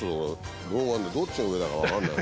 老眼でどっちが上だか分かんない。